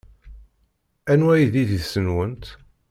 Anwa ay d idis-nwent?